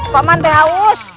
paman teh haus